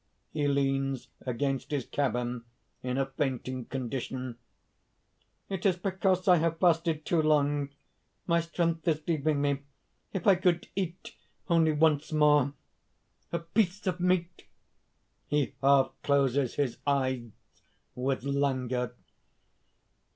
(He leans against his cabin in a fainting condition.) "It is because I have fasted too long; my strength is leaving me. If I could eat only once more a piece of meat." (_He half closes his eyes with languor.